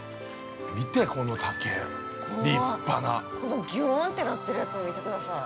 見て、この竹。立派な。◆このギューンってなってるやつ、見てください。